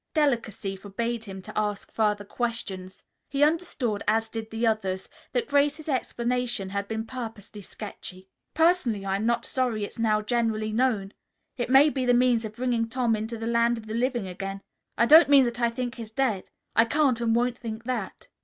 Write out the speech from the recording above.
Delicacy forbade him to ask further questions. He understood, as did the others, that Grace's explanation had been purposely sketchy. "Personally, I'm not sorry it's now generally known. It may be the means of bringing Tom into the land of the living again. I don't mean that I think he's dead. I can't and won't think that."